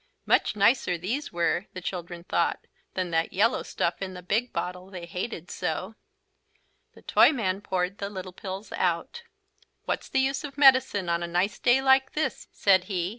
Much nicer these were, the children thought, than that yellow stuff in the big bottle they hated so. The Toyman poured the little pills out. "What's the use of medicine on a nice day like this," said he.